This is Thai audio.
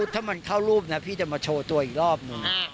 ถ้ามันเข้ารูปนะพี่จะมาโชว์ตัวอีกรอบนึง